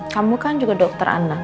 kamu kan juga dokter anak